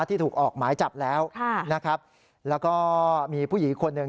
ที่ถูกออกหมายจับแล้วนะครับแล้วก็มีผู้หญิงคนหนึ่ง